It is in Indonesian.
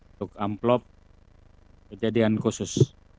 untuk amplop kejadian khusus